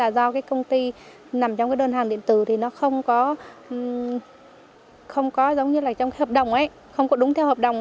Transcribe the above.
do công ty nằm trong đơn hàng điện tử thì nó không có giống như trong hợp đồng ấy không có đúng theo hợp đồng